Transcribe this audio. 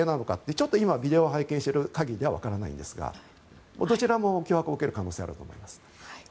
ちょっと今、ビデオを拝見している限りではわからないですがどちらも脅迫を受ける可能性はあると思います。